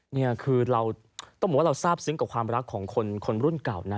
นี่คือเราต้องบอกว่าเราทราบซึ้งกับความรักของคนรุ่นเก่านะ